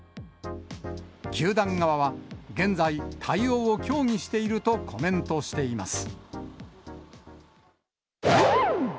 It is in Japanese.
球団側は、現在、対応を協議しているとコメントしています。